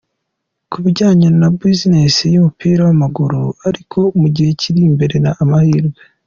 kubijyanye na business yumupira wamaguru ariko mu gihe kiri imbere amahirwe.